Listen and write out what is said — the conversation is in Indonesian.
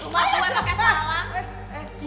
rumah gue pake salam